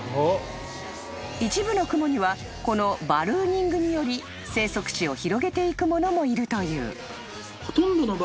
［一部のクモにはこのバルーニングにより生息地を広げていくものもいるという］